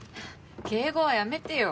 敬語はやめてよ。